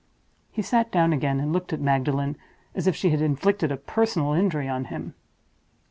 He sat down again, and looked at Magdalen as if she had inflicted a personal injury on him.